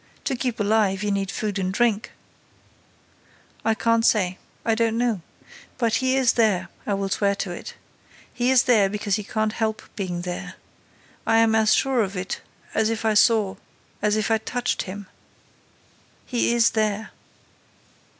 To keep alive you need food and drink." "I can't say. I don't know. But he is there, I will swear it. He is there, because he can't help being there. I am as sure of it as if I saw as if I touched him. He is there."